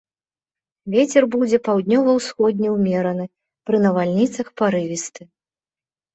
Вецер будзе паўднёва-ўсходні ўмераны, пры навальніцах парывісты.